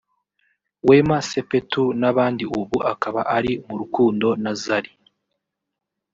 Wema Sepetu n’abandi ubu akaba ari mu rukundo na Zari